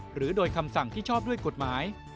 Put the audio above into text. หรือโดยคำสั่งที่ชอบด้วยกฎหมาย